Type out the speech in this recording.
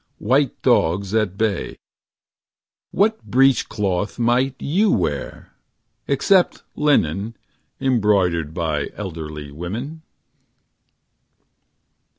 White dogs at bay. What breech cloth might you wear— Except linen, embroidered By elderly women